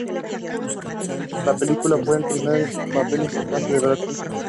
La película fue el primer papel importante de Brad Pitt.